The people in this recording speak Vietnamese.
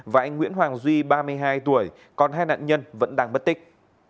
và anh nguyễn hoàng duy ba mươi hai tuổi còn hai nạn nhân vẫn đang bất tích